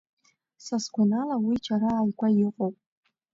Са сгәанала, уи џьара ааигәа иҟоуп.